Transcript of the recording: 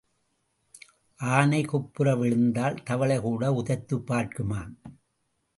ஆனை குப்புற விழுந்தால் தவளைகூட உதைத்துப் பார்க்குமாம்.